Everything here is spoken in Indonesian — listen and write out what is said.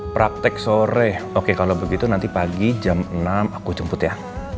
praktek sore oke kalau begitu nanti pagi jam enam aku jemput ya